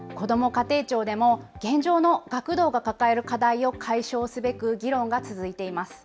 家庭庁でも、現状の学童が抱える課題を解消すべく、議論が続いています。